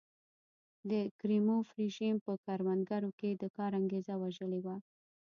د کریموف رژیم په کروندګرو کې د کار انګېزه وژلې وه.